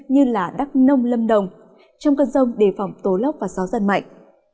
như đắk nông lâm đồng trong cơn rông đề phòng tố lốc và gió giật mạnh